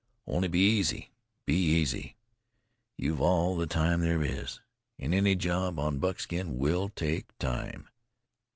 Only be easy, be easy. You've all the time there is. An' any job on Buckskin will take time.